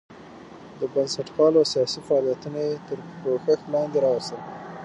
د بنسټپالو سیاسي فعالیتونه یې تر پوښښ لاندې راوستل.